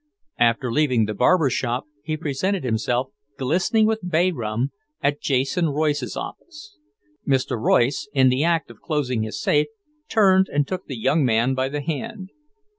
After leaving the barber shop he presented himself, glistening with bayrum, at Jason Royce's office. Mr. Royce, in the act of closing his safe, turned and took the young man by the hand.